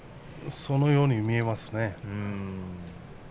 そのように見えますね。